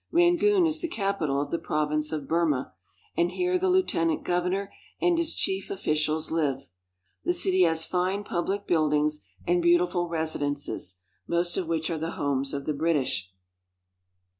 Rangoon is the capital of the Province of Burma, and here the lieuten ant governor and his chief officials live. The city has fine public buildings and beautiful residences, most of which IN BRITISH BURMA 213 are the homes of the British.